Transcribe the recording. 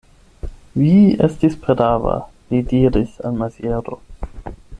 Vi estis prava, li diris al Maziero.